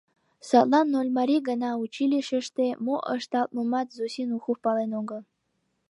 Садлан Нольмарий гала, училищыште мо ышталтмымат Зосим Ухов пален огыл.